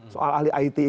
soal ahli it ini